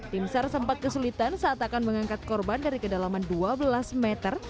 tim sar sempat kesulitan saat akan mengangkat korban dari kedalaman dua belas meter